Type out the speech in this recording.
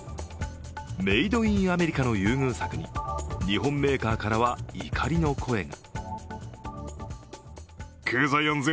メイド・イン・アメリカの優遇策に日本メーカーからは怒りの声が。